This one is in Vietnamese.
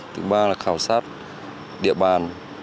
thứ ba là khảo sát địa bàn